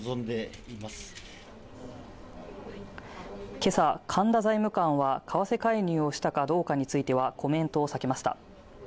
今朝神田財務官は為替介入をしたかどうかについてはコメントを避けました